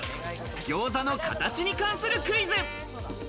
餃子の形に関するクイズ。